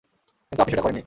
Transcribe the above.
কিন্তু আপনি সেটা করেন নি।